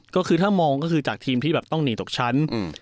ก็คือถ้ามองก็คือจากทีมที่แบบต้องหนีตกชั้น